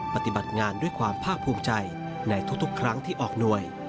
ปฏิบัติงานด้วยความภาคภูมิใจในทุกครั้งที่ออกหน่วย